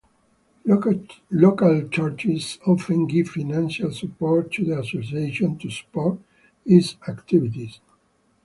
Local churches often give financial support to the association to support its activities.